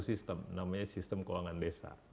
sistem namanya sistem keuangan desa